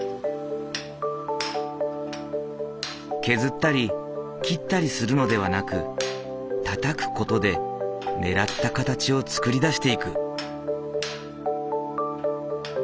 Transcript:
削ったり切ったりするのではなくたたく事でねらった形を作り出していく。